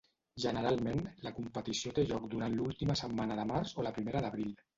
Generalment la competició té lloc durant l'última setmana de març o la primera d'abril.